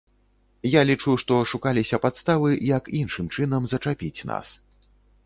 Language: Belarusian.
Я лічу, што шукаліся падставы, як іншым чынам зачапіць нас.